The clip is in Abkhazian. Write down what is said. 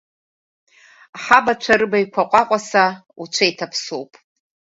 Ҳабацәа рыбаҩқәа ҟәаҟәаса уцәа иҭаԥсоуп.